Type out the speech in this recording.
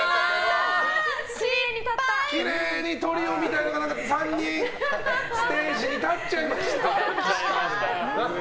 きれいにトリオみたいに３人ステージに立っちゃいました。